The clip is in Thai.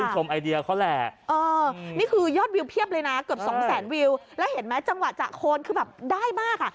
ใช่ค่ะนี่คือยอดวิวเพียบเลยนะเกือบ๒๐๐๐๐๐วิวแล้วเห็นไหมจังหวะจะโคนคือแบบได้มาก